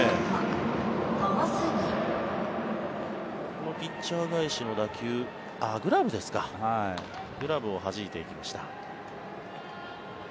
このピッチャー返しの打球グラブをはじいていきました。